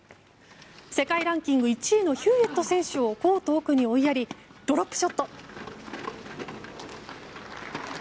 世界ランキング１位のヒューエット選手をコート奥に追いやりドロップショット。